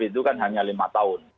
itu kan hanya lima tahun